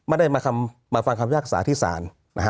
ไม่ได้มีคำนำการมาฟังคำพิพากษาที่สาร